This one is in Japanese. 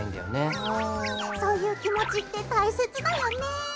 うんうんそういう気持ちって大切だよね。